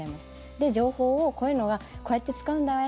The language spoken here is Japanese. で、情報を、こういうのはこうやって使うんだよああ